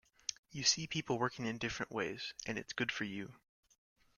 You see people working in different ways, and it's good for you.